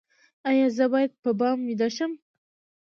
ایا زه باید په بام ویده شم؟